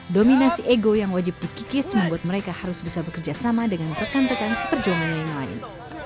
dominasi ego yang wajib dikikis membuat mereka harus bisa bekerja sama dengan rekan rekan seperjuangannya yang lain